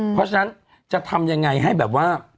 เพราะฉะนั้นจะทำยังไงให้แบบว่า